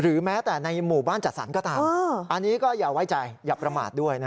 หรือแม้แต่ในหมู่บ้านจัดสรรก็ตาม